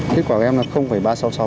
kết quả của em là ba trăm sáu mươi sáu nhé